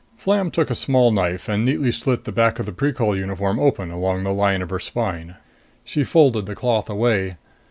Flam took a small knife and neatly slit the back of the Precol uniform open along the line of her spine. She folded the cloth away.